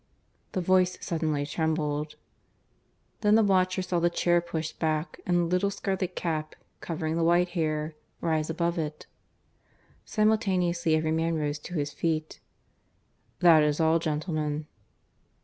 ..." The voice suddenly trembled. Then the watcher saw the chair pushed back, and the little scarlet cap, covering the white hair, rise above it. Simultaneously every man rose to his feet. "That is all, gentlemen."